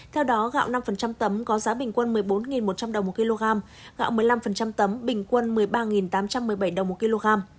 theo đó gạo năm tấm có giá bình quân một mươi bốn một trăm linh đồng một kg gạo một mươi năm tấm bình quân một mươi ba tám trăm một mươi bảy đồng một kg